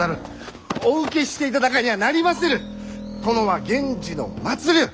殿は源氏の末流！